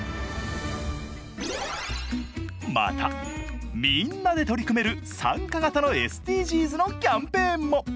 またみんなで取り組める参加型のＳＤＧｓのキャンペーンも。